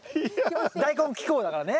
大根気耕だからね。